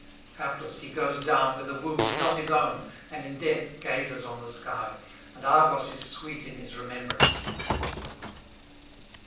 Hapless he goes down with a wound not his own, and in death gazes on the sky, and Argos is sweet in his remembrance.